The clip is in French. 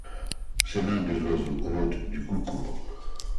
C'est l'un des oiseaux-hôte du coucou.